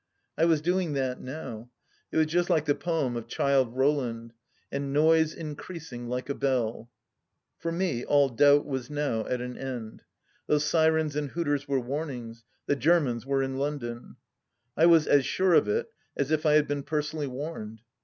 I was doing that now. It was just like the poem of Childe Roland : "And noise increasing like a bell. ..." For me all doubt was now at an end. Those sirens and hooters were warnings. ... The Germans were in London 1 I was as sure of it as if I had been personally warned.